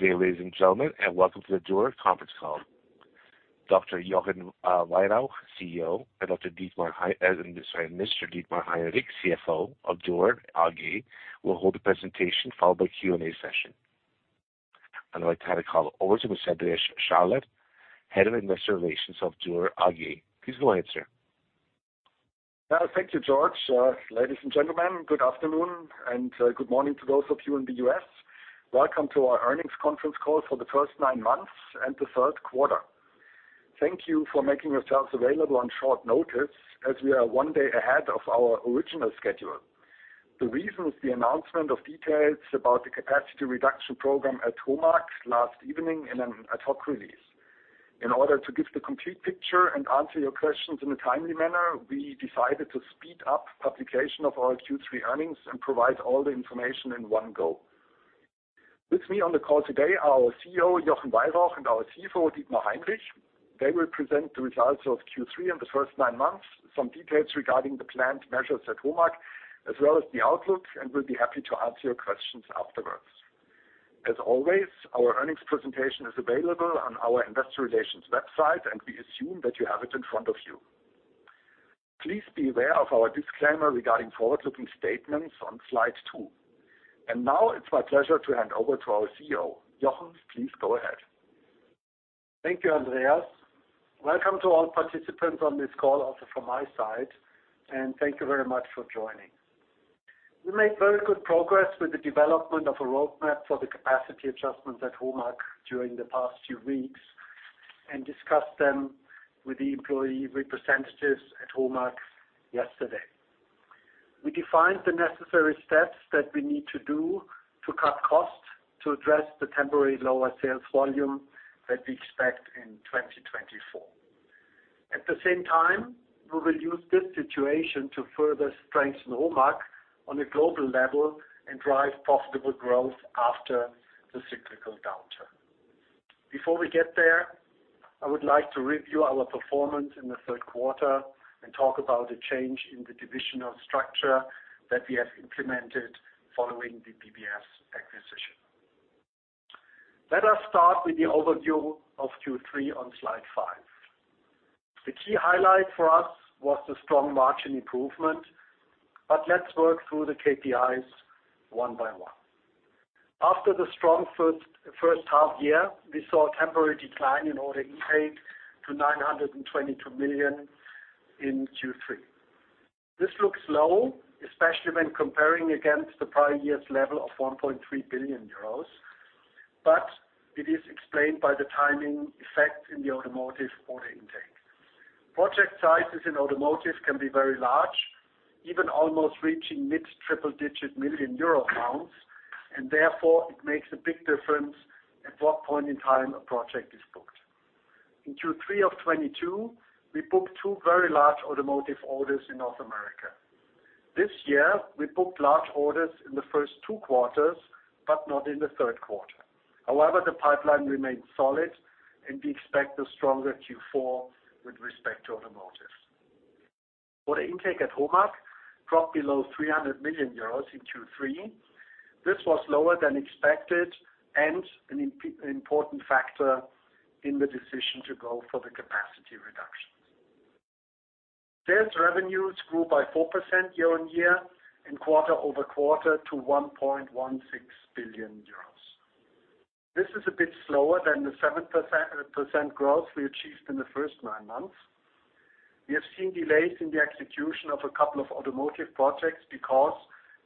Good day, ladies and gentlemen, and welcome to the Dürr conference call. Dr. Jochen Weyrauch, CEO, and Dr. Dietmar, sorry, Mr. Dietmar Heinrich, CFO of Dürr AG, will hold a presentation, followed by Q&A session. I'd like to hand the call over to Mr. Andreas Schaller, Head of Investor Relations of Dürr AG. Please go ahead, sir. Thank you, George. Ladies and gentlemen, good afternoon, and good morning to those of you in the U.S. Welcome to our earnings conference call for the first nine months and the third quarter. Thank you for making yourselves available on short notice, as we are one day ahead of our original schedule. The reason is the announcement of details about the capacity reduction program at HOMAG last evening in an ad hoc release. In order to give the complete picture and answer your questions in a timely manner, we decided to speed up publication of our Q3 earnings and provide all the information in one go. With me on the call today, our CEO, Jochen Weyrauch, and our CFO, Dietmar Heinrich. They will present the results of Q3 and the first nine months, some details regarding the planned measures at HOMAG, as well as the outlook, and will be happy to answer your questions afterwards. As always, our earnings presentation is available on our Investor Relations website, and we assume that you have it in front of you. Please be aware of our disclaimer regarding forward-looking statements on Slide 2. Now, it's my pleasure to hand over to our CEO. Jochen, please go ahead. Thank you, Andreas. Welcome to all participants on this call, also from my side, and thank you very much for joining. We made very good progress with the development of a roadmap for the capacity adjustments at HOMAG during the past few weeks, and discussed them with the employee representatives at HOMAG yesterday. We defined the necessary steps that we need to do to cut costs to address the temporary lower sales volume that we expect in 2024. At the same time, we will use this situation to further strengthen HOMAG on a global level and drive profitable growth after the cyclical downturn. Before we get there, I would like to review our performance in the third quarter and talk about the change in the divisional structure that we have implemented following the BBS acquisition. Let us start with the overview of Q3 on Slide 5. The key highlight for us was the strong margin improvement, but let's work through the KPIs one by one. After the strong first half year, we saw a temporary decline in order intake to 922 million in Q3. This looks low, especially when comparing against the prior year's level of 1.3 billion euros, but it is explained by the timing effect in the automotive order intake. Project sizes in automotive can be very large, even almost reaching mid-triple-digit million euro amounts, and therefore, it makes a big difference at what point in time a project is booked. In Q3 of 2022, we booked two very large automotive orders in North America. This year, we booked large orders in the first two quarters, but not in the third quarter. However, the pipeline remains solid, and we expect a stronger Q4 with respect to automotive. Order intake at HOMAG dropped below 300 million euros in Q3. This was lower than expected and an important factor in the decision to go for the capacity reductions. Sales revenues grew by 4% year-on-year and quarter-over-quarter to 1.16 billion euros. This is a bit slower than the 7% growth we achieved in the first nine months. We have seen delays in the execution of a couple of automotive projects because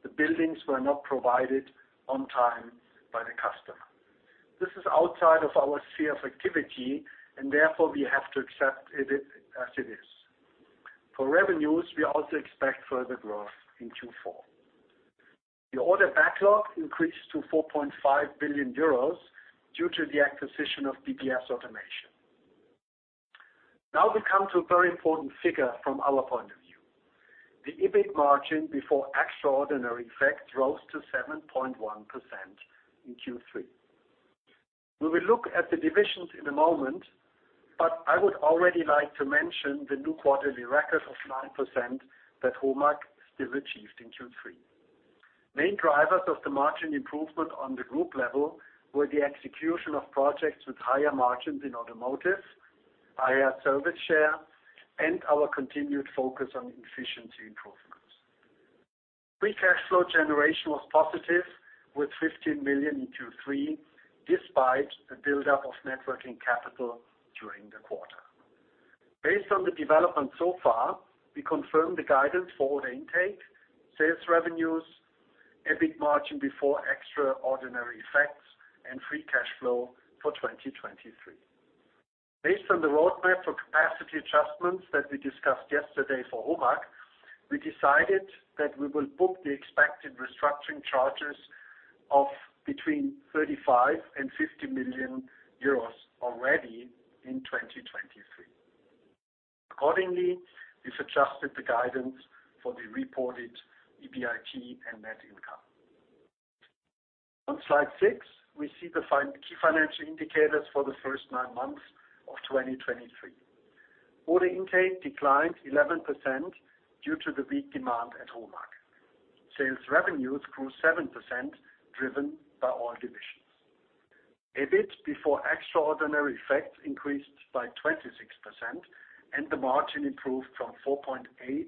the buildings were not provided on time by the customer. This is outside of our sphere of activity, and therefore, we have to accept it as it is. For revenues, we also expect further growth in Q4. The order backlog increased to 4.5 billion euros due to the acquisition of BBS Automation. Now, we come to a very important figure from our point of view. The EBIT margin before extraordinary effects rose to 7.1% in Q3. We will look at the divisions in a moment, but I would already like to mention the new quarterly record of 9% that HOMAG still achieved in Q3. Main drivers of the margin improvement on the group level were the execution of projects with higher margins in automotive, higher service share, and our continued focus on efficiency improvements. Free cash flow generation was positive, with 15 million in Q3, despite the buildup of net working capital during the quarter. Based on the development so far, we confirm the guidance for order intake, sales revenues, EBIT margin before extraordinary effects, and free cash flow for 2023. Based on the roadmap for capacity adjustments that we discussed yesterday for HOMAG, we decided that we will book the expected restructuring charges of between 35 million and 50 million euros already in 2023. Accordingly, we've adjusted the guidance for the reported EBIT and net income. On Slide 6, we see the five key financial indicators for the first nine months of 2023. Order intake declined 11% due to the weak demand at home market. Sales revenues grew 7%, driven by all divisions. EBIT before extraordinary effects increased by 26%, and the margin improved from 4.8% to 5.7%.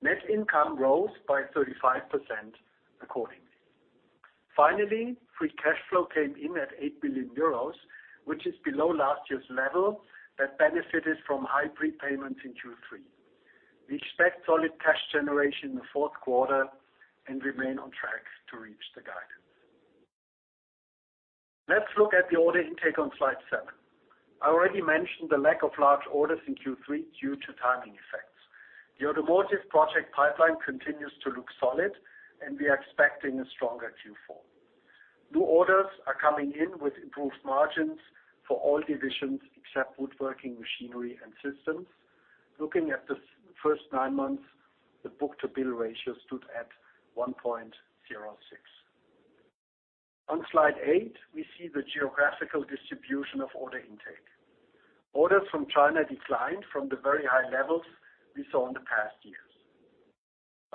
Net income rose by 35% accordingly. Finally, free cash flow came in at 8 million euros, which is below last year's level, that benefited from high prepayments in Q3. We expect solid cash generation in the fourth quarter and remain on track to reach the guidance. Let's look at the order intake on Slide 7. I already mentioned the lack of large orders in Q3 due to timing effects. The automotive project pipeline continues to look solid, and we are expecting a stronger Q4. New orders are coming in with improved margins for all divisions, except Woodworking Machinery and Systems. Looking at the first nine months, the book-to-bill ratio stood at 1.06. On Slide 8, we see the geographical distribution of order intake. Orders from China declined from the very high levels we saw in the past years.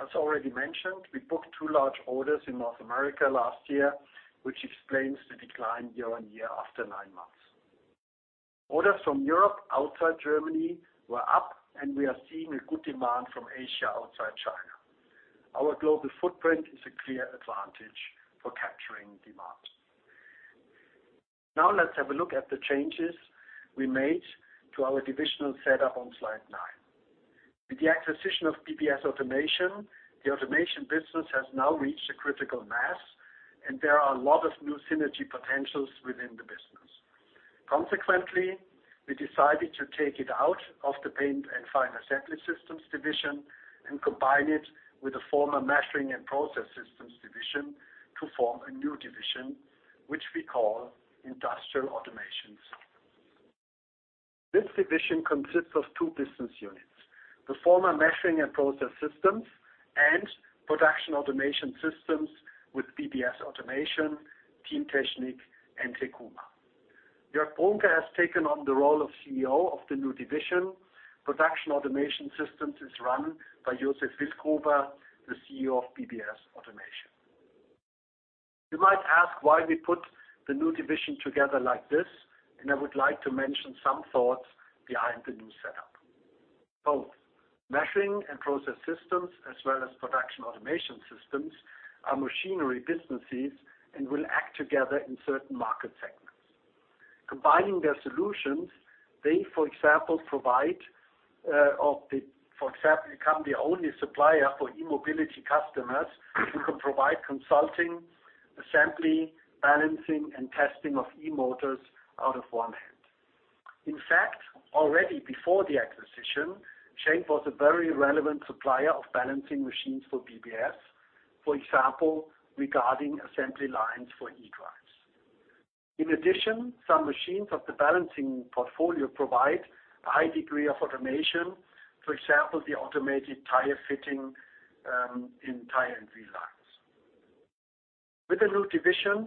As already mentioned, we booked two large orders in North America last year, which explains the decline year-on-year after nine months. Orders from Europe, outside Germany, were up, and we are seeing a good demand from Asia, outside China. Our global footprint is a clear advantage for capturing demand. Now, let's have a look at the changes we made to our divisional setup on Slide 9. With the acquisition of BBS Automation, the automation business has now reached a critical mass, and there are a lot of new synergy potentials within the business. Consequently, we decided to take it out of the Paint and Final Assembly Systems division and combine it with a former Measuring and Process Systems division to form a new division, which we call Industrial Automations. This division consists of two business units: the former Measuring and Process Systems, and Production Automation Systems with BBS Automation, Teamtechnik, and Hekuma. Jörg Brunke has taken on the role of CEO of the new division. Production Automation Systems is run by Josef Wildgruber, the CEO of BBS Automation. You might ask why we put the new division together like this, and I would like to mention some thoughts behind the new setup. Both Measuring and Process Systems, as well as Production Automation Systems, are machinery businesses and will act together in certain market segments. Combining their solutions, they, for example, become the only supplier for e-mobility customers, who can provide consulting, assembly, balancing, and testing of e-motors out of one hand. In fact, already before the acquisition, Schenck was a very relevant supplier of balancing machines for BBS. For example, regarding assembly lines for e-drives. In addition, some machines of the balancing portfolio provide a high degree of automation, for example, the automated tire fitting in tire and wheel lines. With the new division,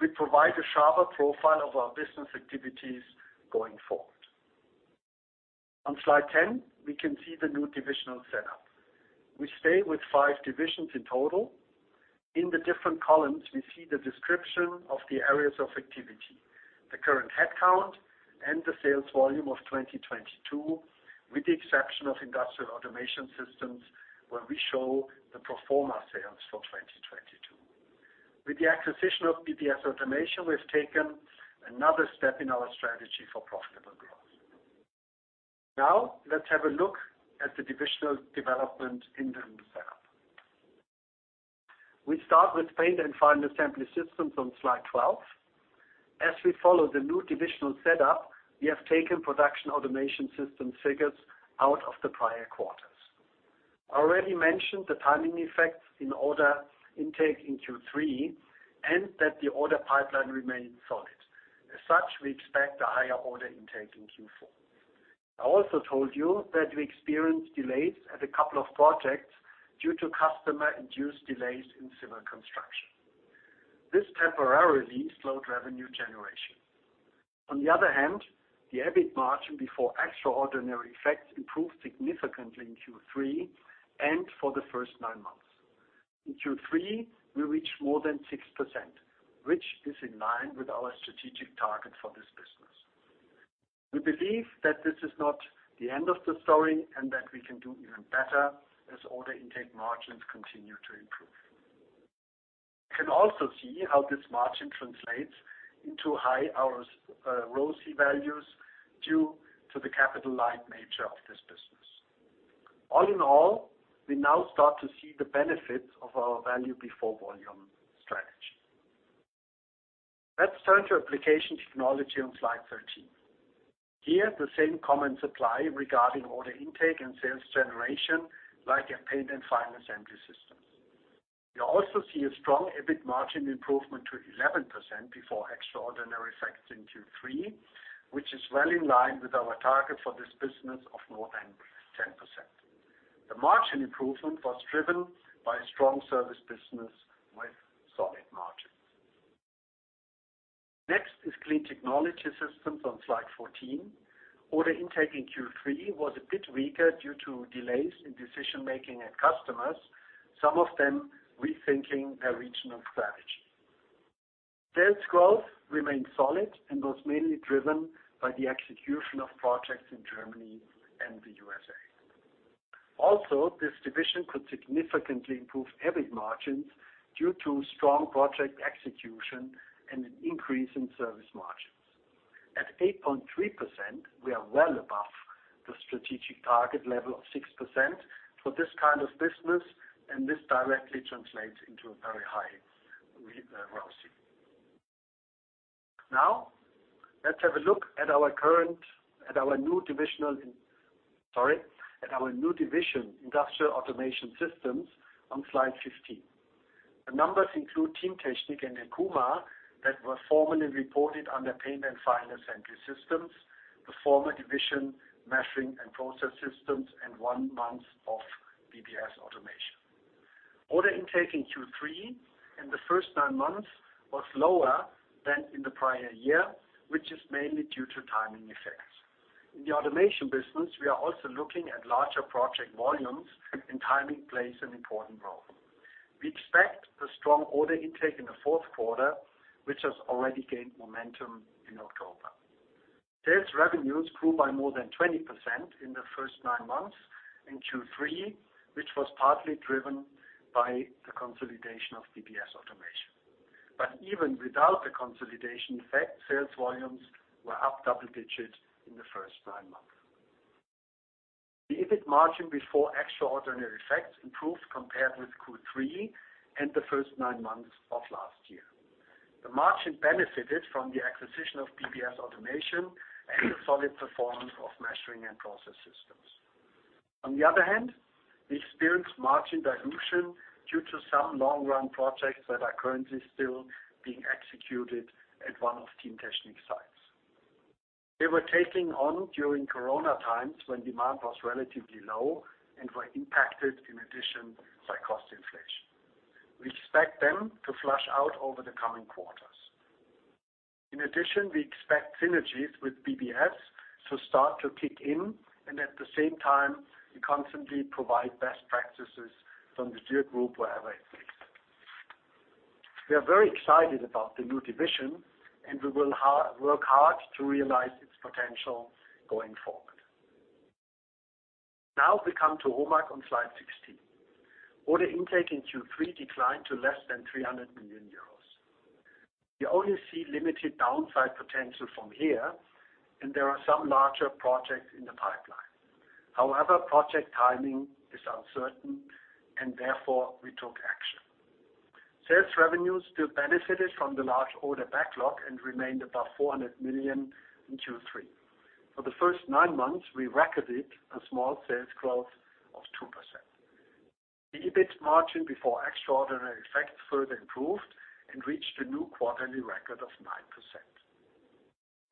we provide a sharper profile of our business activities going forward. On Slide 10, we can see the new divisional setup. We stay with five divisions in total. In the different columns, we see the description of the areas of activity, the current headcount, and the sales volume of 2022, with the exception of Industrial Automation Systems, where we show the pro forma sales for 2022. With the acquisition of BBS Automation, we've taken another step in our strategy for profitable growth. Now, let's have a look at the divisional development in the new setup. We start with Paint and Final Assembly Systems on Slide 12. As we follow the new divisional setup, we have taken Production Automation System figures out of the prior quarters. I already mentioned the timing effects in order intake in Q3, and that the order pipeline remains solid. As such, we expect a higher order intake in Q4. I also told you that we experienced delays at a couple of projects due to customer-induced delays in civil construction. This temporarily slowed revenue generation. On the other hand, the EBIT margin before extraordinary effects improved significantly in Q3 and for the first nine months. In Q3, we reached more than 6%, which is in line with our strategic target for this business. We believe that this is not the end of the story, and that we can do even better, as order intake margins continue to improve. We can also see how this margin translates into high hours, ROCE values, due to the capital-light nature of this business. All in all, we now start to see the benefits of our value-before-volume strategy. Let's turn to Application Technology on Slide 13. Here, the same comments apply regarding order intake and sales generation, like in Paint and Final Assembly Systems. You also see a strong EBIT margin improvement to 11% before extraordinary effects in Q3, which is well in line with our target for this business of more than break-even. The margin improvement was driven by a strong service business with solid margins. Next is Clean Technology Systems on Slide 14. Order intake in Q3 was a bit weaker due to delays in decision-making and customers, some of them rethinking their regional strategy. Sales growth remained solid and was mainly driven by the execution of projects in Germany and the U.S.A. Also, this division could significantly improve EBIT margins due to strong project execution and an increase in service margins. At 8.3%, we are well above the strategic target level of 6% for this kind of business, and this directly translates into a very high ROCE. Now, let's have a look at our current, at our new divisional, sorry, at our new division, Industrial Automation Systems, on Slide 15. The numbers include Teamtechnik and Hekuma, that were formerly reported under Paint and Final Assembly Systems, the former division, Measuring and Process Systems, and one month of BBS Automation. Order intake in Q3 and the first nine months was lower than in the prior year, which is mainly due to timing effects. In the automation business, we are also looking at larger project volumes, and timing plays an important role. We expect a strong order intake in the fourth quarter, which has already gained momentum in October. Sales revenues grew by more than 20% in the first nine months in Q3, which was partly driven by the consolidation of BBS Automation. But even without the consolidation effect, sales volumes were up double digits in the first nine months. The EBIT margin before extraordinary effects improved compared with Q3 and the first nine months of last year. The margin benefited from the acquisition of BBS Automation and the solid performance of Measuring and Process Systems. On the other hand, we experienced margin dilution due to some long-run projects that are currently still being executed at one of Teamtechnik sites. They were taking on during Corona times, when demand was relatively low and were impacted, in addition, by cost inflation. We expect them to flush out over the coming quarters. In addition, we expect synergies with BBS to start to kick in, and at the same time, we constantly provide best practices from the Dürr group wherever it fits. We are very excited about the new division, and we will work hard to realize its potential going forward. Now, we come to HOMAG on Slide 16. Order intake in Q3 declined to less than 300 million euros. We only see limited downside potential from here, and there are some larger projects in the pipeline. However, project timing is uncertain, and therefore we took action. Sales revenues still benefited from the large order backlog and remained above 400 million in Q3. For the first nine months, we recorded a small sales growth of 2%. The EBIT margin before extraordinary effects further improved and reached a new quarterly record of 9%.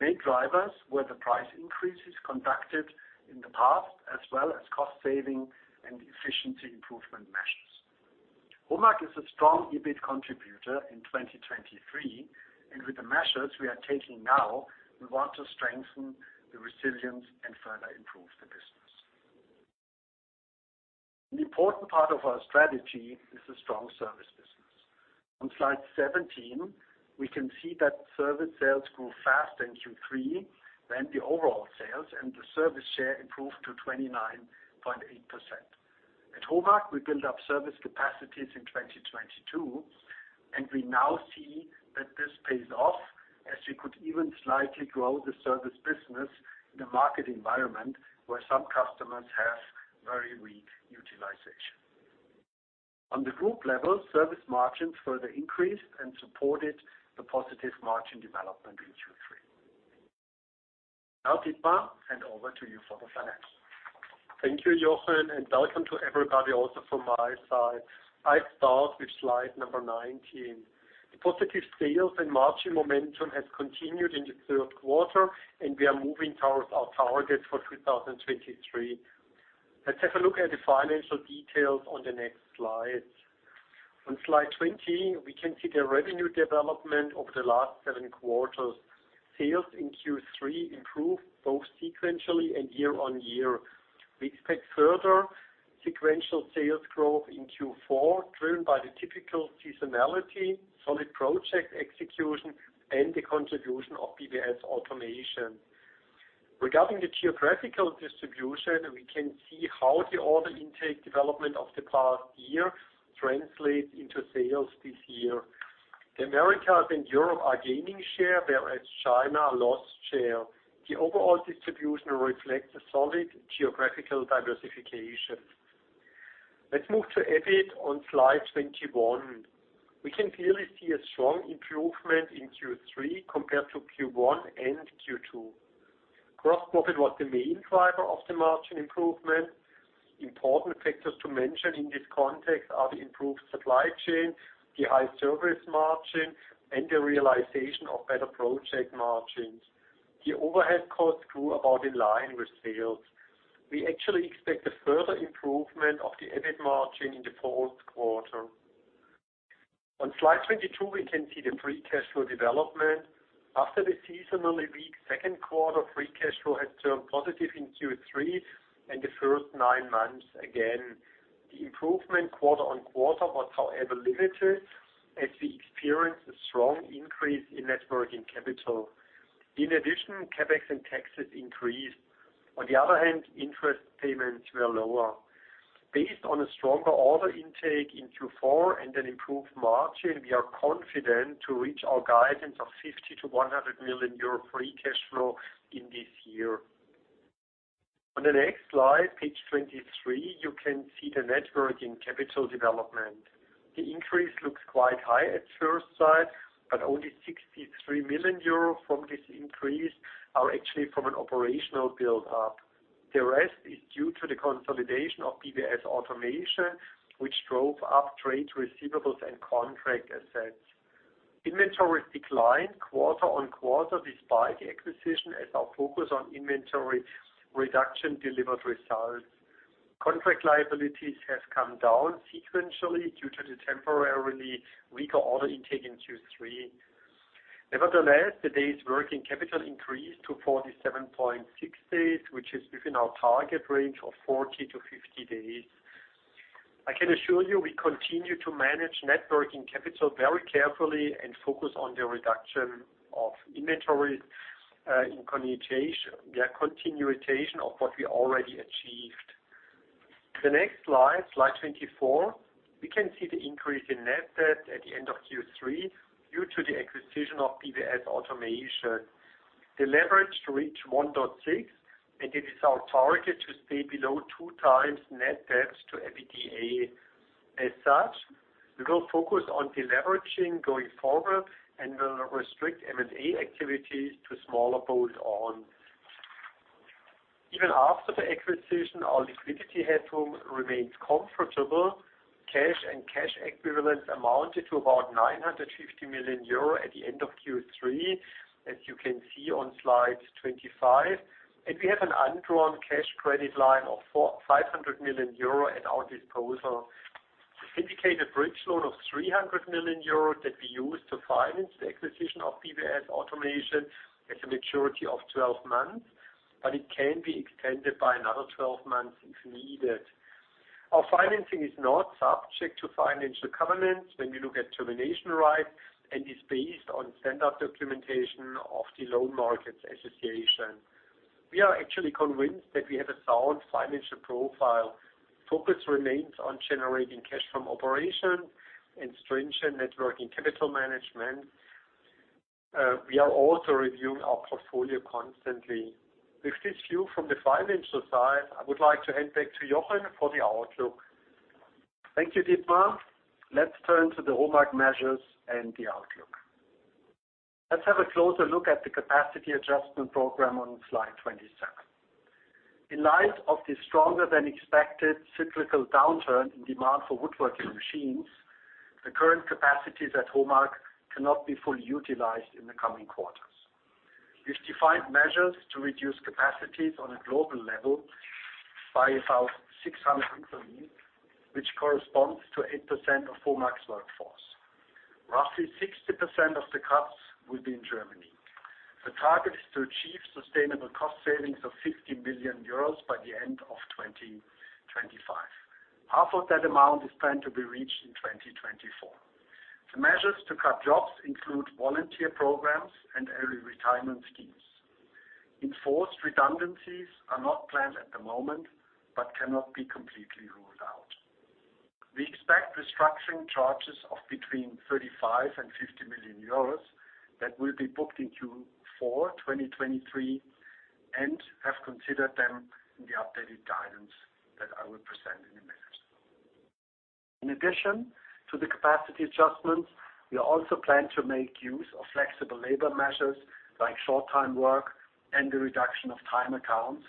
Main drivers were the price increases conducted in the past, as well as cost saving and efficiency improvement measures. HOMAG is a strong EBIT contributor in 2023, and with the measures we are taking now, we want to strengthen the resilience and further improve the business. An important part of our strategy is a strong service business. On Slide 17, we can see that service sales grew faster in Q3 than the overall sales, and the service share improved to 29.8%. At HOMAG, we built up service capacities in 2022, and we now see that this pays off, as we could even slightly grow the service business in a market environment where some customers have very weak utilization. On the group level, service margins further increased and supported the positive margin development in Q3. Now, Dietmar, hand over to you for the finance. Thank you, Jochen, and welcome to everybody, also from my side. I start with Slide 19. The positive sales and margin momentum has continued in the third quarter, and we are moving towards our target for 2023. Let's have a look at the financial details on the next slide. On Slide 20, we can see the revenue development over the last seven quarters. Sales in Q3 improved both sequentially and year-on-year. We expect further sequential sales growth in Q4, driven by the typical seasonality, solid project execution, and the contribution of BBS Automation. Regarding the geographical distribution, we can see how the order intake development of the past year translates into sales this year. The Americas and Europe are gaining share, whereas China lost share. The overall distribution reflects a solid geographical diversification. Let's move to EBIT on Slide 21. We can clearly see a strong improvement in Q3 compared to Q1 and Q2. Gross profit was the main driver of the margin improvement. Important factors to mention in this context are the improved supply chain, the high service margin, and the realization of better project margins. The overhead costs grew about in line with sales. We actually expect a further improvement of the EBIT margin in the fourth quarter. On Slide 22, we can see the free cash flow development. After the seasonally weak second quarter, free cash flow has turned positive in Q3 and the first nine months. Again, the improvement quarter-on-quarter was, however, limited, as we experienced a strong increase in net working capital. In addition, CapEx and taxes increased. On the other hand, interest payments were lower. Based on a stronger order intake in Q4 and an improved margin, we are confident to reach our guidance of 50 million-100 million euro free cash flow in this year. On the next slide, Page 23, you can see the net working capital development. The increase looks quite high at first sight, but only 63 million euro from this increase are actually from an operational build-up. The rest is due to the consolidation of BBS Automation, which drove up trade receivables and contract assets. Inventory declined quarter-over-quarter, despite the acquisition, as our focus on inventory reduction delivered results. Contract liabilities have come down sequentially due to the temporarily weaker order intake in Q3. Nevertheless, the days working capital increased to 47.6 days, which is within our target range of 40-50 days. I can assure you, we continue to manage net working capital very carefully and focus on the reduction of inventory in continuation of what we already achieved. The next slide, Slide 24, we can see the increase in net debt at the end of Q3, due to the acquisition of BBS Automation. The leverage to reach 1.6x, and it is our target to stay below 2x net debt to EBITDA. As such, we will focus on deleveraging going forward and will restrict M&A activity to smaller bolt-on. Even after the acquisition, our liquidity headroom remains comfortable. Cash and cash equivalents amounted to about 950 million euro at the end of Q3, as you can see on Slide 25. And we have an undrawn cash credit line of 450 million euro at our disposal. Syndicated bridge loan of 300 million euro that we use to finance the acquisition of BBS Automation has a maturity of 12 months, but it can be extended by another 12 months, if needed. Our financing is not subject to financial covenants when we look at termination rights, and is based on standard documentation of the Loan Market Association. We are actually convinced that we have a sound financial profile. Focus remains on generating cash from operation and stringent net working capital management. We are also reviewing our portfolio constantly. With this view from the financial side, I would like to hand back to Jochen for the outlook. Thank you, Dietmar. Let's turn to the HOMAG measures and the outlook. Let's have a closer look at the capacity adjustment program on Slide 27. In light of the stronger-than-expected cyclical downturn in demand for woodworking machines, the current capacities at HOMAG cannot be fully utilized in the coming quarters. We've defined measures to reduce capacities on a global level by about 600 employees, which corresponds to 8% of HOMAG's workforce. Roughly 60% of the cuts will be in Germany. The target is to achieve sustainable cost savings of 50 million euros by the end of 2025. Half of that amount is planned to be reached in 2024. The measures to cut jobs include volunteer programs and early retirement schemes. Enforced redundancies are not planned at the moment, but cannot be completely ruled out. We expect restructuring charges of between 35 million and 50 million euros that will be booked in Q4 2023, and have considered them in the updated guidance that I will present in a minute. In addition to the capacity adjustments, we also plan to make use of flexible labor measures, like short-time work and the reduction of time accounts,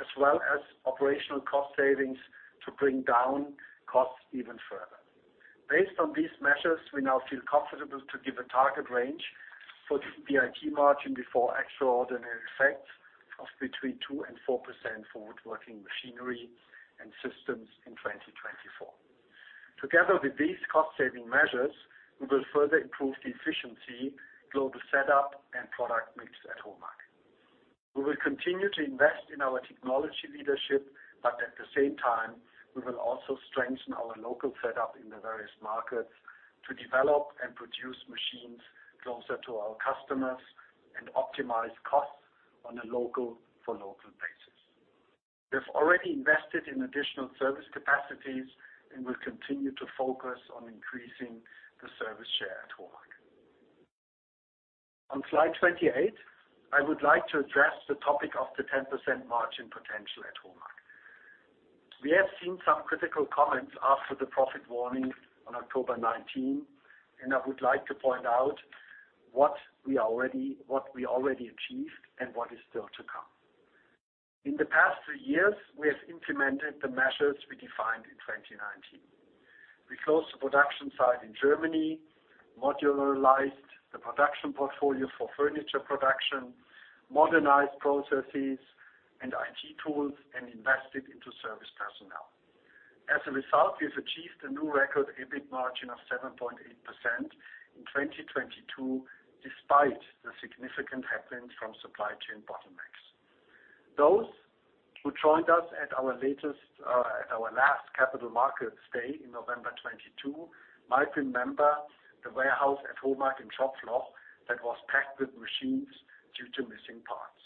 as well as operational cost savings to bring down costs even further. Based on these measures, we now feel comfortable to give a target range for the EBIT margin before extraordinary effects of between 2% and 4% for Woodworking Machinery and Systems in 2024. Together with these cost-saving measures, we will further improve the efficiency, global setup, and product mix at HOMAG. We will continue to invest in our technology leadership, but at the same time, we will also strengthen our local setup in the various markets to develop and produce machines closer to our customers and optimize costs on a local for local basis. We've already invested in additional service capacities and will continue to focus on increasing the service share at HOMAG. On Slide 28, I would like to address the topic of the 10% margin potential at HOMAG. We have seen some critical comments after the profit warning on October 19, and I would like to point out what we already achieved and what is still to come. In the past three years, we have implemented the measures we defined in 2019. We closed the production site in Germany, modularized the production portfolio for furniture production, modernized processes and IT tools, and invested into service personnel. As a result, we've achieved a new record EBIT margin of 7.8% in 2022, despite the significant headwinds from supply chain bottlenecks. Those who joined us at our latest, at our last Capital Markets Day in November 2022, might remember the warehouse at HOMAG in Schopfloch that was packed with machines due to missing parts.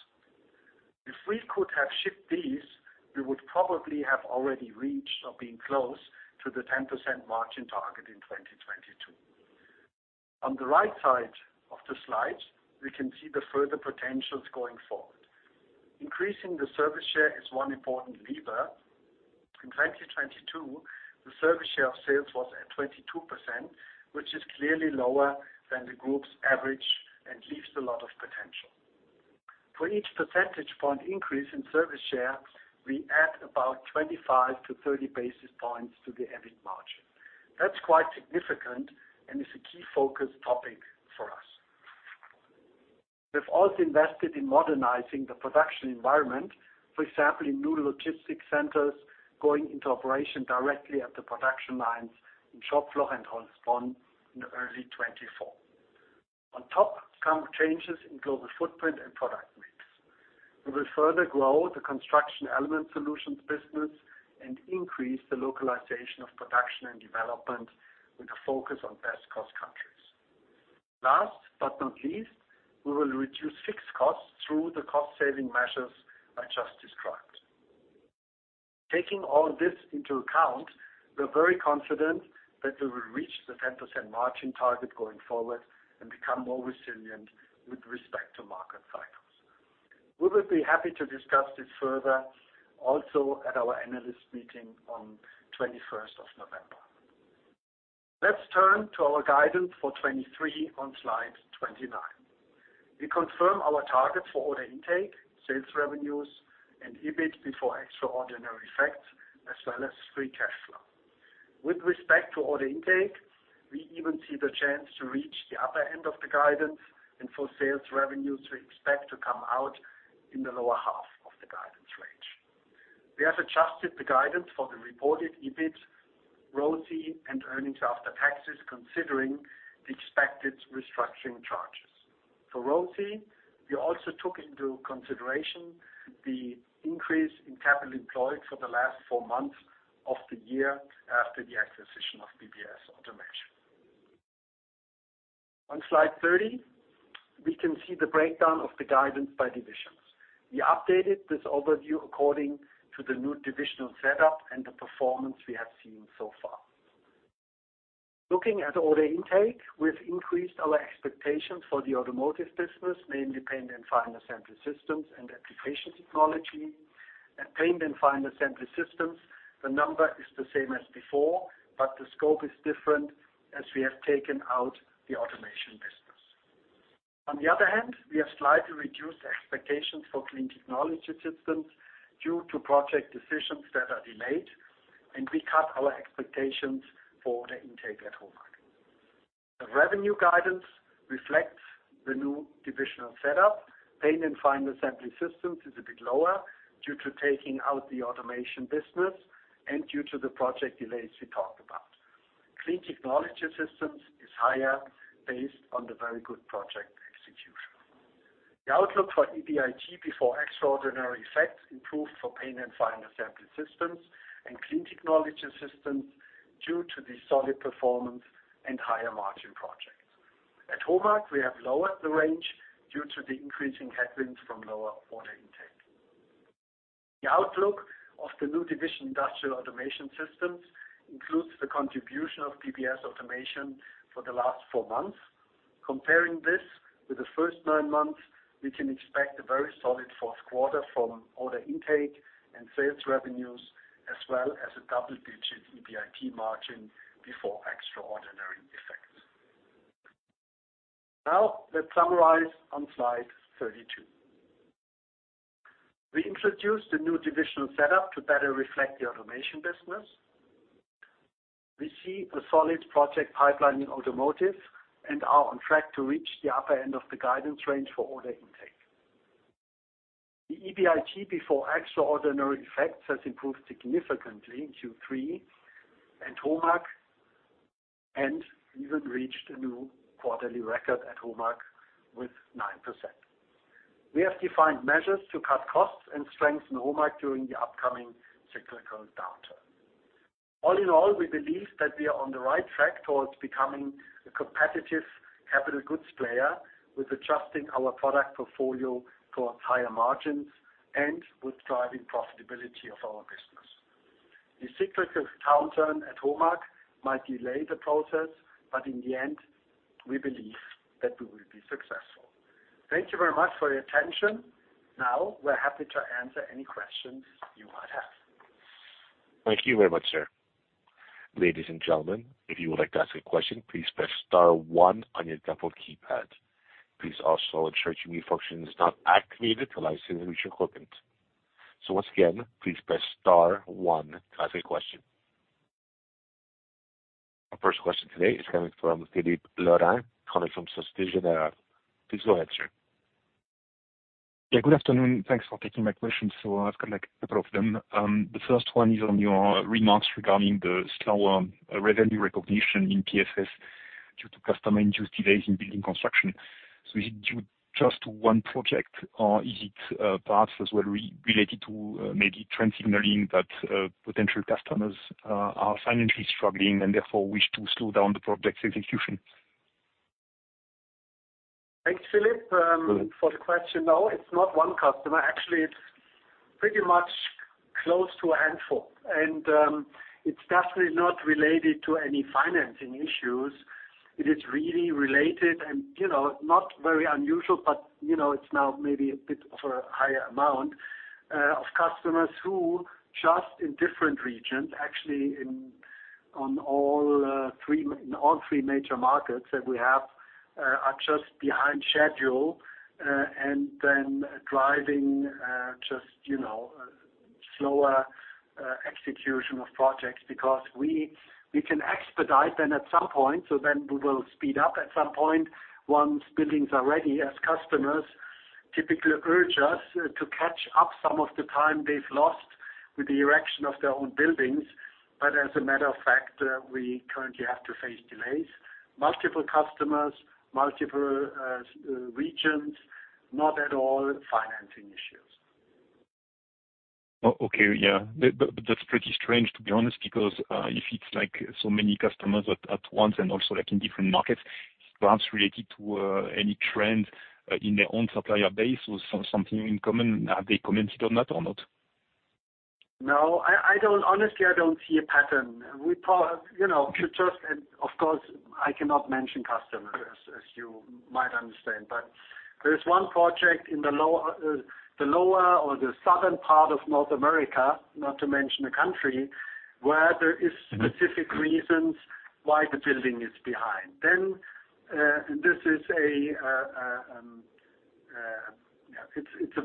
If we could have shipped these, we would probably have already reached or been close to the 10% margin target in 2022. On the right side of the slides, we can see the further potentials going forward. Increasing the service share is one important lever. In 2022, the service share of sales was at 22%, which is clearly lower than the group's average and leaves a lot of potential. For each percentage point increase in service share, we add about 25-30 basis points to the EBIT margin. That's quite significant and is a key focus topic for us. We've also invested in modernizing the production environment, for example, in new logistics centers, going into operation directly at the production lines in Schopfloch and Holzbronn in early 2024. On top, come changes in global footprint and product mix. We will further grow the Construction Element Solutions business and increase the localization of production and development with a focus on best-cost countries. Last but not least, we will reduce fixed costs through the cost-saving measures I just described. Taking all this into account, we're very confident that we will reach the 10% margin target going forward and become more resilient with respect to market cycles. We will be happy to discuss this further, also at our Analyst Meeting on the 21st of November. Let's turn to our guidance for 2023 on Slide 29. We confirm our target for order intake, sales revenues, and EBIT before extraordinary effects, as well as free cash flow. With respect to order intake, we even see the chance to reach the upper end of the guidance and for sales revenues, we expect to come out in the lower half of the guidance range. We have adjusted the guidance for the reported EBIT, ROCE, and earnings after taxes, considering the expected restructuring charges. For ROCE, we also took into consideration the increase in capital employed for the last four months of the year after the acquisition of BBS Automation. On Slide 30, we can see the breakdown of the guidance by divisions. We updated this overview according to the new divisional setup and the performance we have seen so far. Looking at order intake, we've increased our expectations for the automotive business, mainly Paint and Final Assembly Systems and Application Technology. At Paint and Final Assembly Systems, the number is the same as before, but the scope is different as we have taken out the automation business. On the other hand, we have slightly reduced the expectations for Clean Technology Systems due to project decisions that are delayed, and we cut our expectations for order intake at HOMAG. The revenue guidance reflects the new divisional setup. Paint and Final Assembly Systems is a bit lower due to taking out the automation business and due to the project delays we talked about. Clean Technology Systems is higher based on the very good project execution. The outlook for EBIT before extraordinary effects improved for Paint and Final Assembly Systems and Clean Technology Systems due to the solid performance and higher-margin projects. At HOMAG, we have lowered the range due to the increasing headwinds from lower order intake. The outlook of the new division, Industrial Automation Systems, includes the contribution of BBS Automation for the last four months. Comparing this with the first nine months, we can expect a very solid fourth quarter from order intake and sales revenues, as well as a double-digit EBIT margin before extraordinary effects. Now, let's summarize on Slide 32. We introduced a new divisional setup to better reflect the automation business. We see a solid project pipeline in automotive and are on track to reach the upper end of the guidance range for order intake. The EBIT before extraordinary effects has improved significantly in Q3 at HOMAG, and even reached a new quarterly record at HOMAG with 9%. We have defined measures to cut costs and strengthen HOMAG during the upcoming cyclical downturn. All in all, we believe that we are on the right track towards becoming a competitive capital goods player, with adjusting our product portfolio towards higher margins and with driving profitability of our business. The cyclical downturn at HOMAG might delay the process, but in the end, we believe that we will be successful. Thank you very much for your attention. Now, we're happy to answer any questions. Thank you very much, sir. Ladies and gentlemen, if you would like to ask a question, please press star one on your telephone keypad. Please also ensure your mute function is not activated unless you reach equipment. Once again, please press star one to ask a question. Our first question today is coming from Philippe Lorrain, coming from Société Générale. Please go ahead, sir. Yeah, good afternoon. Thanks for taking my question. So I've got, like, a couple of them. The first one is on your remarks regarding the slower revenue recognition in PFS due to customer-induced delays in building construction. So is it due just one project, or is it parts as well related to maybe trend signaling that potential customers are financially struggling and therefore wish to slow down the project's execution? Thanks, Philippe, for the question. No, it's not one customer. Actually, it's pretty much close to a handful, and, it's definitely not related to any financing issues. It is really related and, you know, not very unusual, but, you know, it's now maybe a bit of a higher amount of customers who, just in different regions, actually on all three, in all three major markets that we have, are just behind schedule, and then driving just, you know, slower execution of projects. Because we can expedite them at some point, so then we will speed up at some point once buildings are ready, as customers typically urge us to catch up some of the time they've lost with the erection of their own buildings. But as a matter of fact, we currently have to face delays. Multiple customers, multiple regions, not at all financing issues. Oh, okay. Yeah. But that's pretty strange, to be honest, because if it's like so many customers at once and also, like, in different markets, perhaps related to any trend in their own supplier base or something in common, have they commented on that or not? No, I don't, honestly, I don't see a pattern. We talk, you know. And of course, I cannot mention customers, as you might understand. But there is one project in the lower or the southern part of North America, not to mention the country, where there is specific reasons why the building is behind. Then, this is a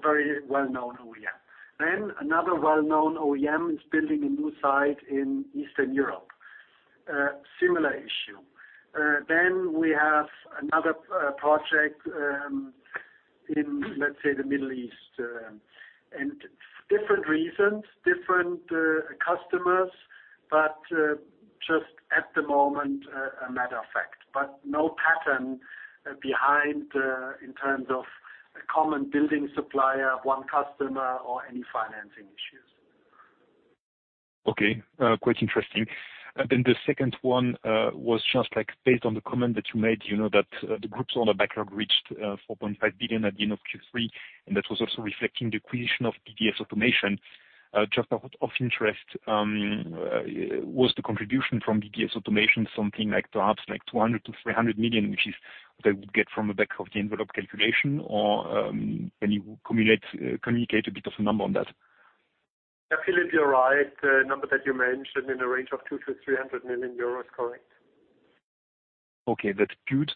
very well-known OEM. Then another well-known OEM is building a new site in Eastern Europe, similar issue. Then we have another project in, let's say, the Middle East, and different reasons, different customers, but just at the moment, a matter of fact, but no pattern behind in terms of a common building supplier, one customer, or any financing issues. Okay, quite interesting. And then the second one was just, like, based on the comment that you made, you know, that the group's order backlog reached 4.5 billion at the end of Q3, and that was also reflecting the acquisition of BBS Automation. Just out of interest, was the contribution from BBS Automation something like, perhaps like 200 million-300 million, which is what I would get from a back-of-the-envelope calculation, or, can you communicate a bit of a number on that? Yeah, Philippe, you're right. The number that you mentioned in the range of 200 million-300 million euros, correct? Okay, that's good.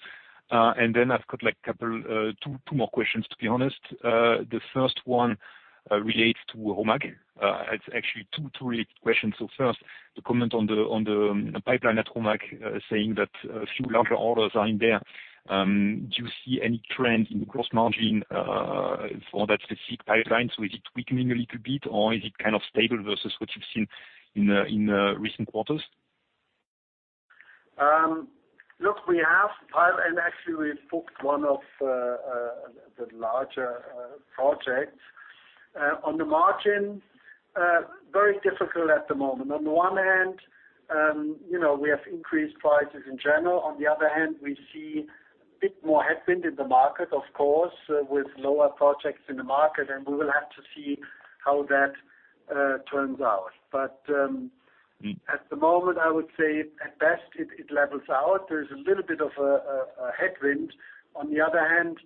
And then I've got, like, a couple, two, two more questions, to be honest. The first one relates to HOMAG. It's actually two, two related questions. So first, the comment on the pipeline at HOMAG, saying that a few larger orders are in there. Do you see any trend in the gross margin for that specific pipeline? So is it weakening a little bit, or is it kind of stable versus what you've seen in recent quarters? Look, we have pipe, and actually we've booked one of the larger projects. On the margin, very difficult at the moment. On the one hand, you know, we have increased prices in general. On the other hand, we see a bit more headwind in the market, of course, with lower projects in the market, and we will have to see how that turns out. But at the moment, I would say at best, it levels out. There's a little bit of a headwind. On the other hand,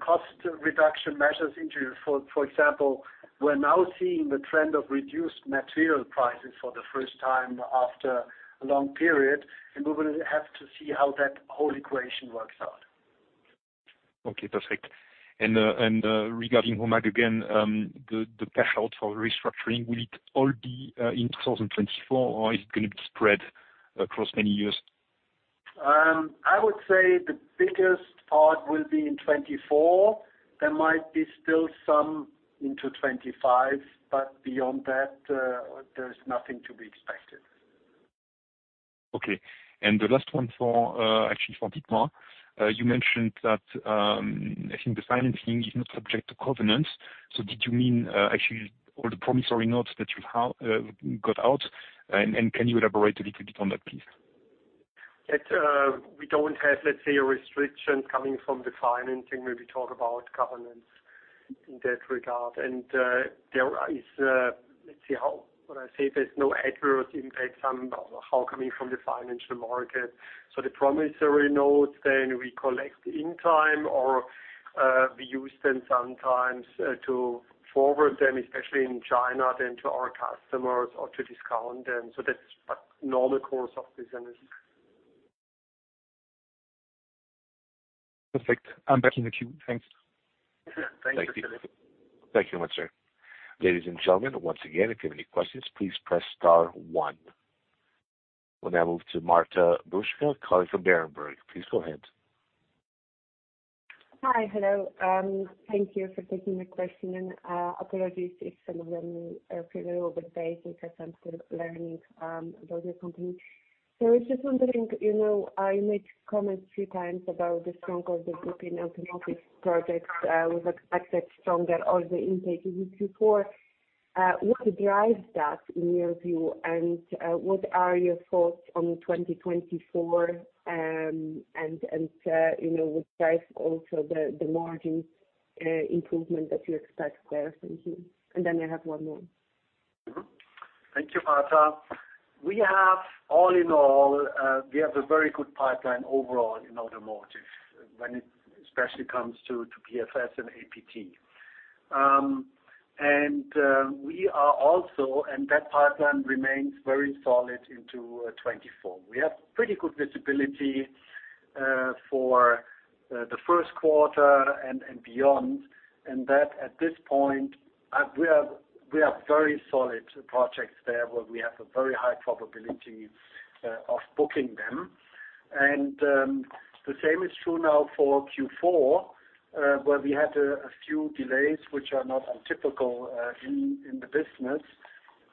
cost reduction measures into, for example, we're now seeing the trend of reduced material prices for the first time after a long period, and we will have to see how that whole equation works out. Okay, perfect. And, regarding HOMAG again, the cash out for restructuring, will it all be in 2024, or is it going to be spread across many years? I would say the biggest part will be in 2024. There might be still some into 2025, but beyond that, there's nothing to be expected. Okay. And the last one for, actually, for Hekuma, you mentioned that, I think the financing is not subject to covenants. So did you mean, actually all the promissory notes that you have got out? And can you elaborate a little bit on that piece? We don't have, let's say, a restriction coming from the financing when we talk about covenants in that regard. There is, let's see, how when I say there's no adverse impact on how coming from the financial market. So the promissory notes, then we collect in time, or we use them sometimes to forward them, especially in China, then to our customers or to discount them. So that's a normal course of business. Perfect. I'm back in the queue. Thanks. Thank you. Thank you much, sir. Ladies and gentlemen, once again, if you have any questions, please press star one. We'll now move to Marta Bruska, calling from Berenberg. Please go ahead. Hi. Hello. Thank you for taking the question, and apologies if some of them feel a little bit basic, as I'm still learning about your company. So I was just wondering, you know, I made comments a few times about the strength of the group in automotive projects was expected stronger or the intake in Q4. What drives that, in your view? And what are your thoughts on 2024, and you know, what drives also the margin improvement that you expect there? Thank you. And then I have one more. Mm-hmm. Thank you, Marta. We have all in all, we have a very good pipeline overall in automotive, when it especially comes to, to PFS and APT. And, we are also and that pipeline remains very solid into 2024. We have pretty good visibility, for the first quarter and, and beyond, and that at this point, we have, we have very solid projects there, where we have a very high probability of booking them. And, the same is true now for Q4, where we had a, a few delays which are not untypical, in, in the business.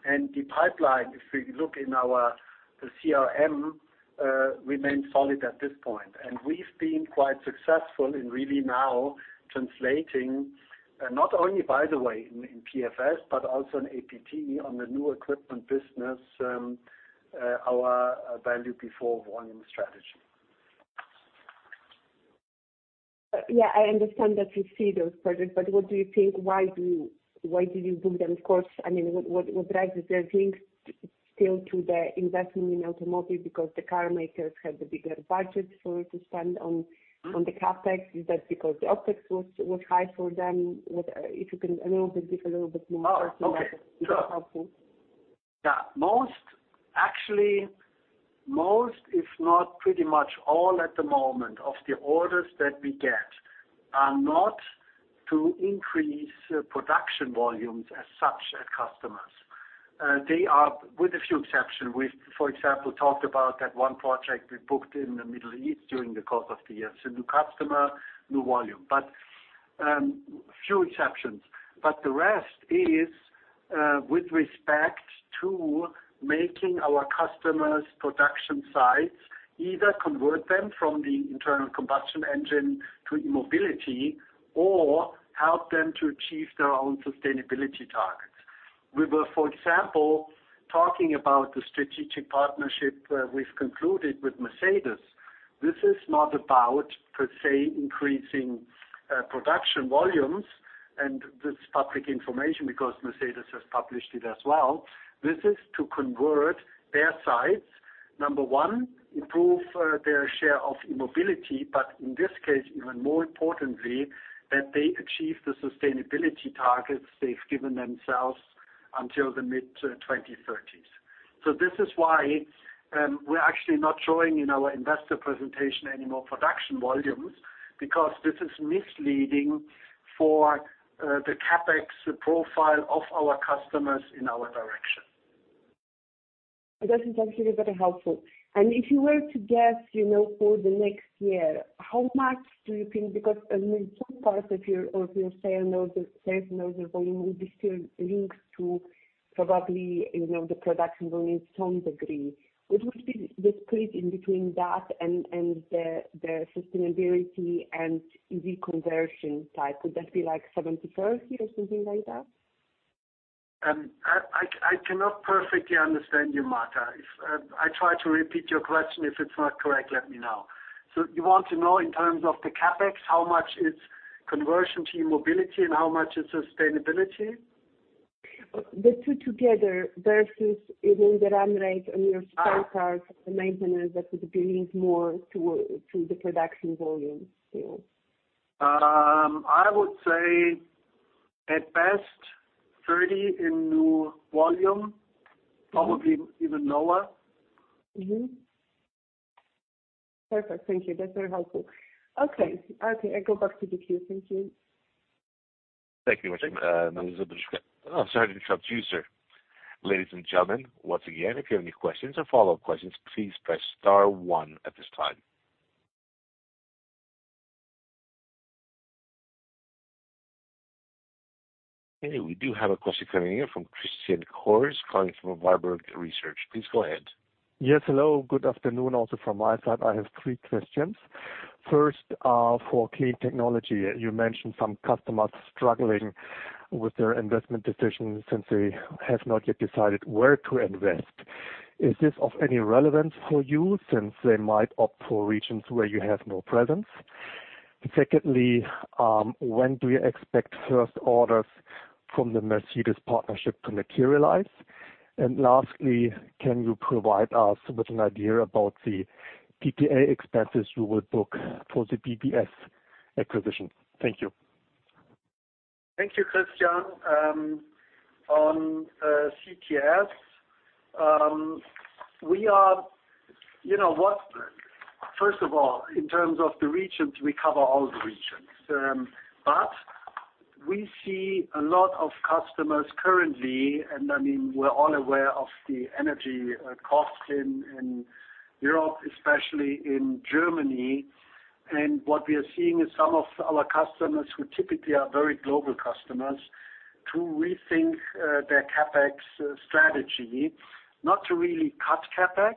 And the pipeline, if we look in our, the CRM, remains solid at this point. And we've been quite successful in really now translating, not only, by the way, in PFS, but also in APT, on the new equipment business, our value before volume strategy. Yeah, I understand that you see those projects, but what do you think, why do you—why did you book them? Of course, I mean, what, what, what drives it? There are links still to the investment in automotive because the car makers have the bigger budget for it to spend on. Mm-hmm. On the CapEx. Is that because the OpEx was high for them? What, if you can a little bit, give a little bit more perspective, it would helpful. Oh, okay. So, yeah, most, actually, most, if not pretty much all at the moment, of the orders that we get are not to increase production volumes as such at customers. They are, with a few exceptions, we've, for example, talked about that one project we booked in the Middle East during the course of the year, so new customer, new volume. But few exceptions, but the rest is with respect to making our customers' production sites either convert them from the internal combustion engine to e-mobility, or help them to achieve their own sustainability targets. We were, for example, talking about the strategic partnership we've concluded with Mercedes. This is not about, per se, increasing production volumes, and this is public information because Mercedes has published it as well. This is to convert their sites. Number one, improve their share of e-mobility, but in this case, even more importantly, that they achieve the sustainability targets they've given themselves until the mid-2030s. So this is why we're actually not showing in our investor presentation any more production volumes, because this is misleading for the CapEx profile of our customers in our direction. That is actually very helpful. And if you were to guess, you know, for the next year, how much do you think, because, I mean, two parts of your, of your sales, or the sales, or the volume, would be still linked to probably, you know, the production volume to some degree. What would be the split in between that and, and the, the sustainability and easy conversion type? Would that be like 70/30, or something like that? I cannot perfectly understand you, Marta. If I try to repeat your question: if it's not correct, let me know. So you want to know, in terms of the CapEx, how much is conversion to e-mobility and how much is sustainability? The two together versus even the run rate on your sales card maintenance, that would be linked more to the production volume still. I would say, at best, 30 in new volume, probably even lower. Mm-hmm. Perfect. Thank you. That's very helpful. Okay. Okay, I go back to the queue. Thank you. Thank you very much. Sorry to interrupt you, sir. Ladies and gentlemen, once again, if you have any questions or follow-up questions, please press star one at this time. Okay, we do have a question coming in from Christian Cohrs, calling from Warburg Research. Please go ahead. Yes, hello. Good afternoon, also from my side. I have three questions. First, for Clean Technology. You mentioned some customers struggling with their investment decisions since they have not yet decided where to invest. Is this of any relevance for you, since they might opt for regions where you have no presence? Secondly, when do you expect first orders from the Mercedes partnership to materialize? And lastly, can you provide us with an idea about the PPA expenses you would book for the BBS acquisition? Thank you. Thank you, Christian. On CTS, we are, you know what? First of all, in terms of the regions, we cover all the regions. But we see a lot of customers currently, and, I mean, we're all aware of the energy costs in Europe, especially in Germany. And what we are seeing is some of our customers, who typically are very global customers, to rethink their CapEx strategy, not to really cut CapEx,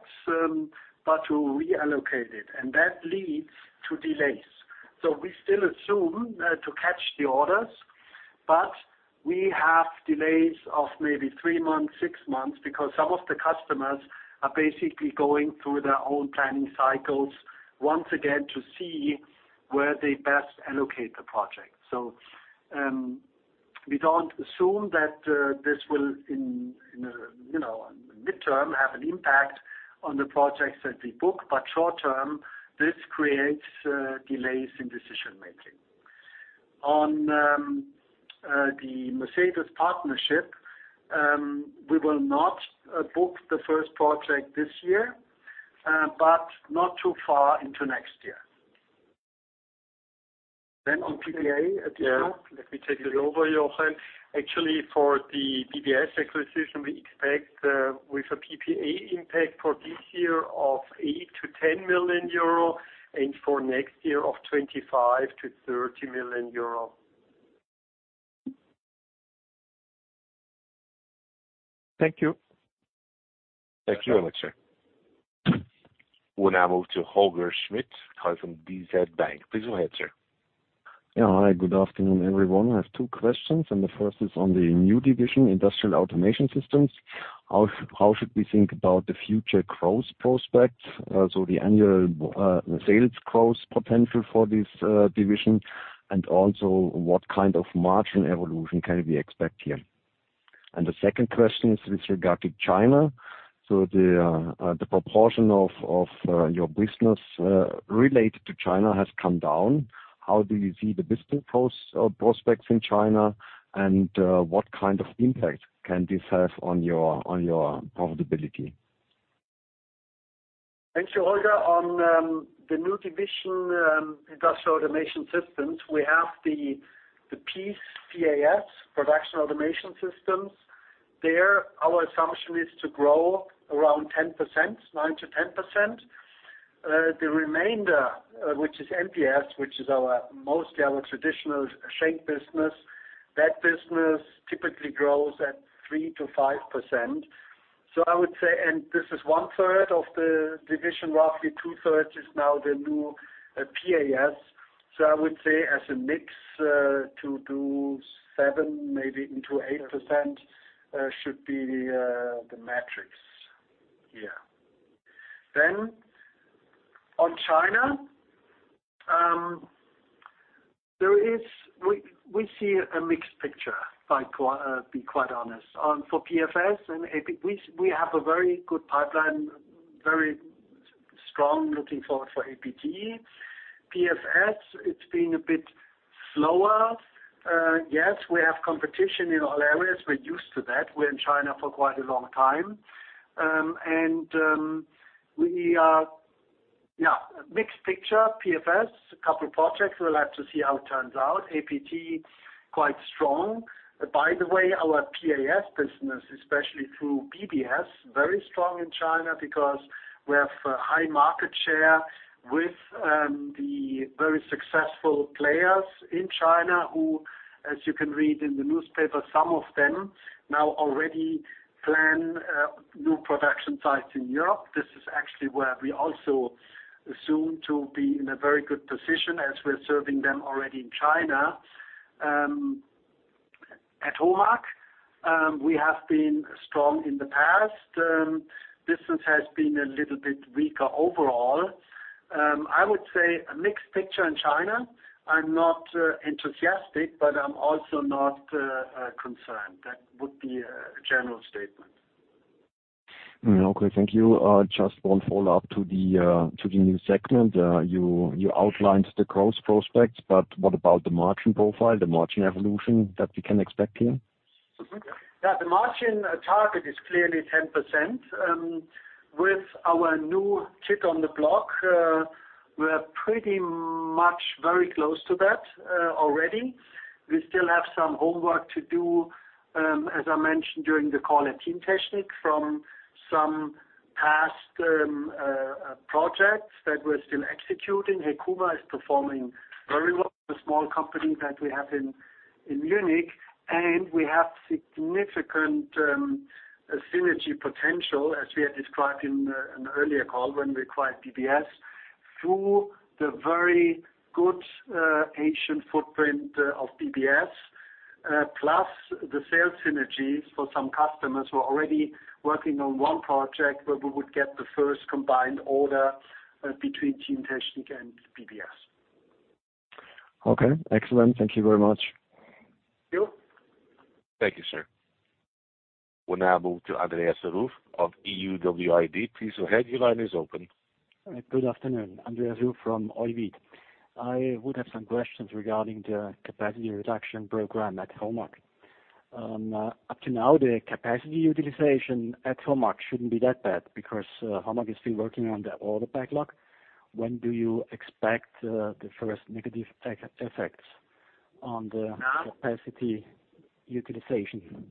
but to reallocate it, and that leads to delays. So we still assume to catch the orders, but we have delays of maybe three months, six months, because some of the customers are basically going through their own planning cycles once again to see where they best allocate the project. So, we don't assume that this will in a, you know, midterm, have an impact on the projects that we book, but short term, this creates delays in decision making. On the Mercedes partnership, we will not book the first project this year, but not too far into next year. Then on PPA at this point? Yeah. Let me take it over, Jochen. Actually, for the BBS acquisition, we expect with a PPA impact for this year of 8 million-10 million euro, and for next year of 25 million-30 million euro. Thank you. Thank you so much, sir. We now move to Holger Schmidt from DZ Bank. Please go ahead, sir. Yeah. Hi, good afternoon, everyone. I have two questions, and the first is on the new division, Industrial Automation Systems. How should we think about the future growth prospects, so the annual sales growth potential for this division? And also, what kind of margin evolution can we expect here? And the second question is with regard to China. So the proportion of your business related to China has come down. How do you see the business prospects in China? And what kind of impact can this have on your profitability? Thank you, Holger. On the new division, Industrial Automation Systems, we have the PAS, P-A-S, Production Automation Systems. There, our assumption is to grow around 10%, 9%-10%. The remainder, which is MPS, which is our, mostly our traditional Schenck business, that business typically grows at 3%-5%. So I would say—and this is 1/3 of the division, roughly 2/3, is now the new PAS. So I would say, as a mix, to do 7%, maybe into 8%, should be the metrics. Yeah. Then, on China, there is—we see a mixed picture, if I be quite honest. For PFS and APT, we have a very good pipeline, very strong looking forward for APT. PFS, it's been a bit slower. Yes, we have competition in all areas. We're used to that. We're in China for quite a long time. Mixed picture. PFS, a couple projects, we'll have to see how it turns out. APT, quite strong. By the way, our PAS business, especially through BBS, very strong in China, because we have high market share with the very successful players in China, who, as you can read in the newspaper, some of them now already plan new production sites in Europe. This is actually where we also assume to be in a very good position as we're serving them already in China. At HOMAG, we have been strong in the past. Business has been a little bit weaker overall. I would say a mixed picture in China. I'm not enthusiastic, but I'm also not concerned. That would be a general statement. Okay, thank you. Just one follow-up to the new segment. You outlined the growth prospects, but what about the margin profile, the margin evolution that we can expect here? Yeah. The margin target is clearly 10%. With our new kid on the block, we're pretty much very close to that already. We still have some homework to do, as I mentioned during the call at Teamtechnik, from some past projects that we're still executing. Hekuma is performing very well, the small company that we have in Munich, and we have significant synergy potential, as we had described in an earlier call when we acquired BBS, through the very good Asian footprint of BBS, plus the sales synergies for some customers who are already working on one project, where we would get the first combined order between Teamtechnik and BBS. Okay, excellent. Thank you very much. Thank you. Thank you, sir. We now move to Andreas Ruf of EUWID. Please go ahead, your line is open. Good afternoon, Andreas Ruf from EUWID. I would have some questions regarding the capacity reduction program at HOMAG. Up to now, the capacity utilization at HOMAG shouldn't be that bad because HOMAG is still working on the order backlog. When do you expect the first negative effect, effects on the. Yeah. Capacity utilization?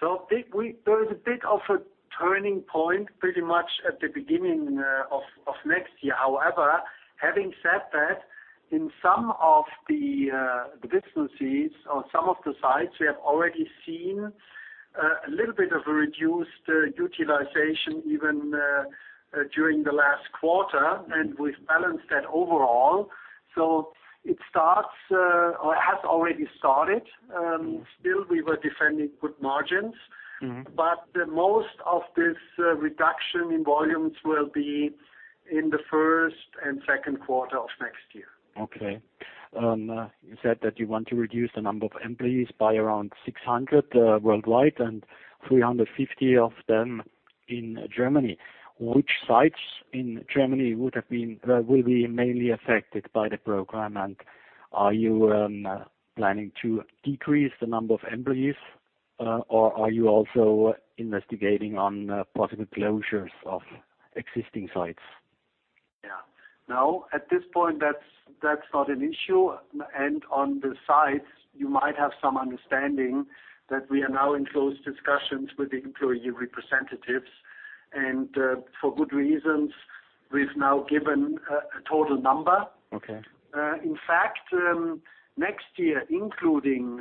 So I think there is a bit of a turning point, pretty much at the beginning of next year. However, having said that, in some of the businesses or some of the sites, we have already seen a little bit of a reduced utilization, even during the last quarter, and we've balanced that overall. So it starts or has already started. Still, we were defending good margins. Mm-hmm. But most of this, reduction in volumes will be in the first and second quarter of next year. Okay. You said that you want to reduce the number of employees by around 600 worldwide and 350 of them in Germany. Which sites in Germany would have been, will be mainly affected by the program? And are you planning to decrease the number of employees, or are you also investigating on possible closures of existing sites? Yeah. No, at this point, that's, that's not an issue. And on the sites, you might have some understanding that we are now in close discussions with the employee representatives, and for good reasons, we've now given a total number. Okay. In fact, next year, including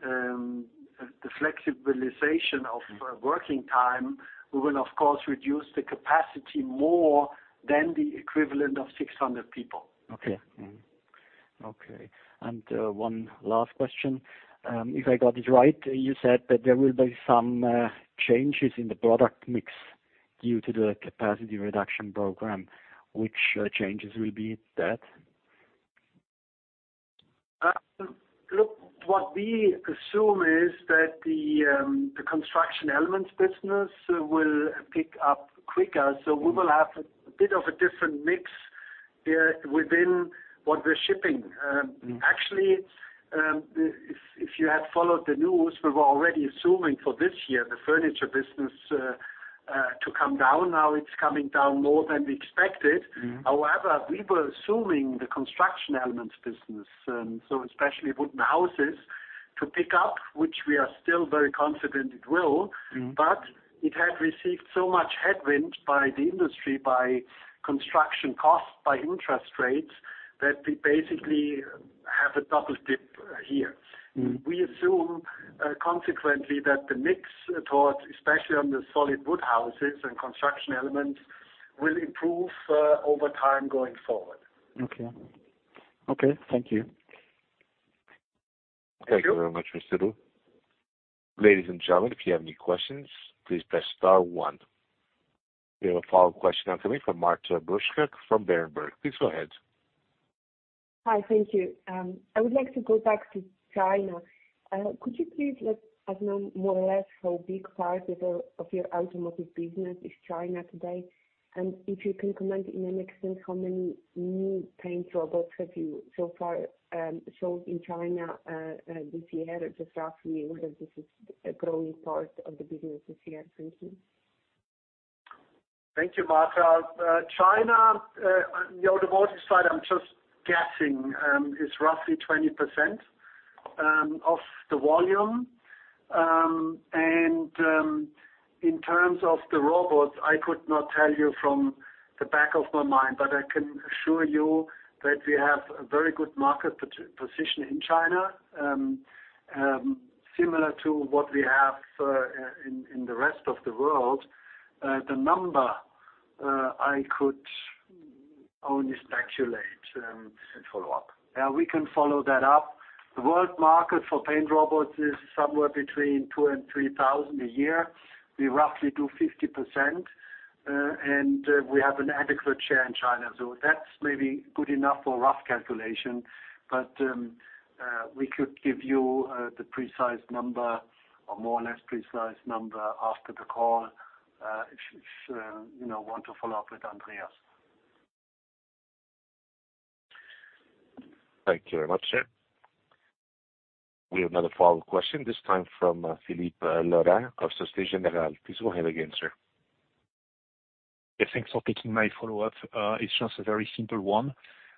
the flexibilization of. Mm-hmm. Working time, we will, of course, reduce the capacity more than the equivalent of 600 people. Okay. Mm-hmm. Okay, and one last question. If I got it right, you said that there will be some changes in the product mix due to the capacity reduction program. Which changes will be that? Look, what we assume is that the construction elements business will pick up quicker. Mm-hmm. So we will have a bit of a different mix within what we're shipping. Mm-hmm. Actually, if you had followed the news, we were already assuming for this year, the furniture business, to come down. Now, it's coming down more than we expected. Mm-hmm. However, we were assuming the construction elements business, and so especially wooden houses, to pick up, which we are still very confident it will. Mm-hmm. It had received so much headwind by the industry, by construction costs, by interest rates, that we basically have a double dip here. Mm-hmm. We assume, consequently, that the mix towards, especially on the solid wood houses and construction elements, will improve, over time going forward. Okay. Okay, thank you. Thank you. Thank you very much, Mr. Ruf. Ladies and gentlemen, if you have any questions, please press star one. We have a follow-up question now coming from Marta Bruska from Berenberg. Please go ahead. Hi, thank you. I would like to go back to China. Could you please let us know more or less how big part of the, of your automotive business is China today? And if you can comment in an extent, how many new paint robots have you, so far, sold in China, this year, or just roughly, because this is a growing part of the business this year. Thank you. Thank you, Marta. China, the automotive side, I'm just guessing, is roughly 20% of the volume. In terms of the robots, I could not tell you from the back of my mind, but I can assure you that we have a very good market position in China, similar to what we have in the rest of the world. The number, I could only speculate. Can follow up. Yeah, we can follow that up. The world market for paint robots is somewhere between 2,000 and 3,000 a year. We roughly do 50%, and we have an adequate share in China. So that's maybe good enough for rough calculation, but we could give you the precise number, or more or less precise number, after the call, if you you know want to follow up with Andreas. Thank you very much, sir. We have another follow-up question, this time from Philippe Lorrain of Société Générale. Please go ahead again, sir. Yes, thanks for taking my follow-up. It's just a very simple one.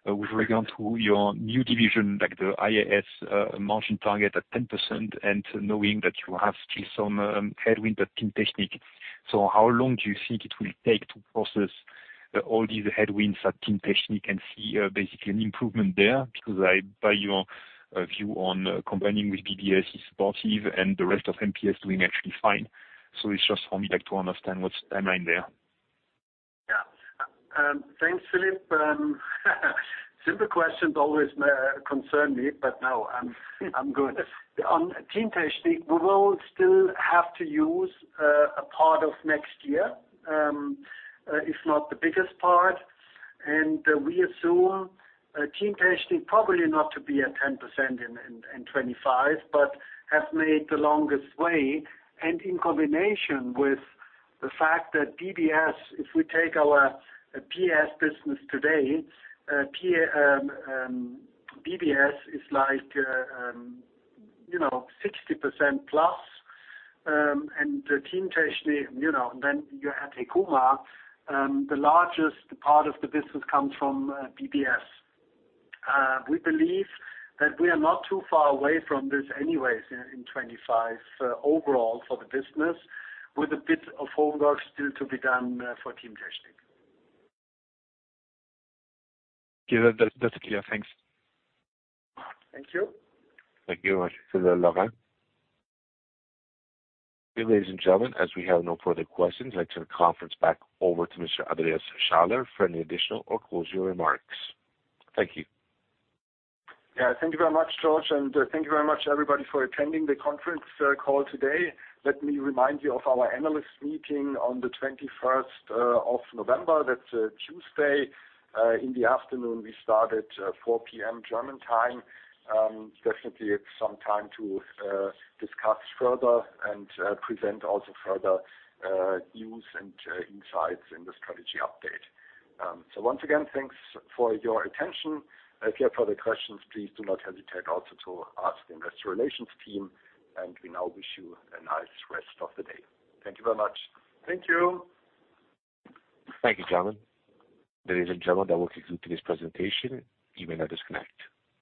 With regard to your new division, like the IAS, margin target at 10% and knowing that you have still some headwind at Teamtechnik. So how long do you think it will take to process all these headwinds at Teamtechnik and see basically an improvement there? Because I, by your view on combining with BBS is positive and the rest of MPS doing actually fine. So it's just for me like to understand what's timeline there. Yeah. Thanks, Philippe. Simple questions always concern me, but no, I'm good. On Teamtechnik, we will still have to use a part of next year, if not the biggest part. And we assume Teamtechnik probably not to be at 10% in 2025, but have made the longest way. And in combination with the fact that BBS, if we take our PS business today, BBS is like, you know, 60%+. And the Teamtechnik, you know, then you add Hekuma, the largest part of the business comes from BBS. We believe that we are not too far away from this anyways, in 2025, overall for the business, with a bit of homework still to be done for Teamtechnik. Yeah, that, that's clear. Thanks. Thank you. Thank you very much, Philippe Lorrain. Ladies and gentlemen, as we have no further questions, I'd turn the conference back over to Mr. Andreas Schaller for any additional or closing remarks. Thank you. Yeah, thank you very much, George, and thank you very much, everybody, for attending the conference call today. Let me remind you of our Analyst Meeting on the 21st of November. That's Tuesday in the afternoon. We start at 4:00 P.M., German time. Definitely, it's some time to discuss further and present also further views and insights in the strategy update. So once again, thanks for your attention. If you have further questions, please do not hesitate also to ask the Investor Relations team, and we now wish you a nice rest of the day. Thank you very much. Thank you. Thank you, gentlemen. Ladies and gentlemen, that will conclude today's presentation. You may now disconnect.